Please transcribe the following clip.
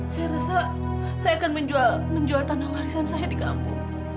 saya rasa saya akan menjual tanah warisan saya di kampung